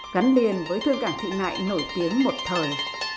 gắn liền với thương cảng thị nại nổi tiếng một thời